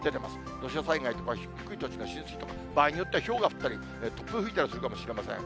土砂災害とか、低い土地の浸水とか、場合によってはひょうが降ったり、突風吹いたりするかもしれません。